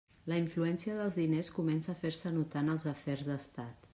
La influència dels diners comença a fer-se notar en els afers d'Estat.